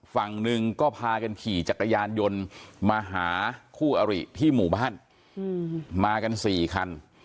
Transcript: ฝั่งหนึ่งก็พากันขี่จักรยานยนต์มาหาคู่อริที่หมู่บ้านมากัน๔คัน